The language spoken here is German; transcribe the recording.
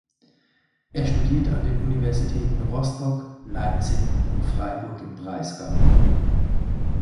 Er studierte an den Universitäten Rostock, Leipzig und Freiburg im Breisgau.